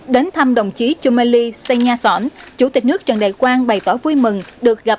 đến thăm đồng chí chumeli senyason chủ tịch nước trần đại quang bày tỏ vui mừng được gặp